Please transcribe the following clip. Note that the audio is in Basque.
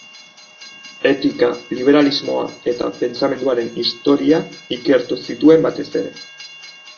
Etika, liberalismoa eta pentsamenduaren historia ikertu zituen batez ere.